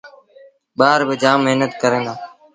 ٻآر با جآم مهنت ڪريݩ دآ۔